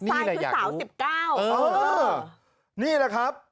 นี่แหละอยากรู้สายคือสาว๑๙เออนี่แหละครับ